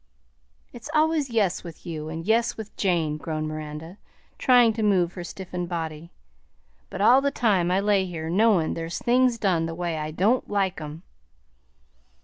"It's always 'yes' with you, and 'yes' with Jane," groaned Miranda, trying to move her stiffened body; "but all the time I lay here knowin' there's things done the way I don't like 'em."